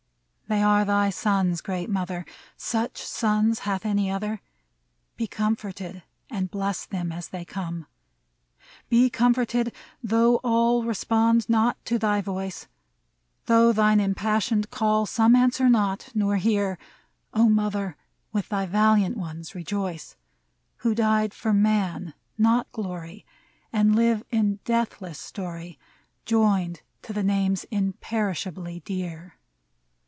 They are thy sons, Great Mother ! Such sons hath any other ? Be comforted, and bless them as they come ! Be comforted ! Though all Respond not to thy voice, 165 MEMORIAL ODE Though thine impassioned call Some answer not, nor hear, — O Mother ! with thy valiant ones rejoice, Who died for Man, not glory, And live in deathless story, Joined to the names imperishably dear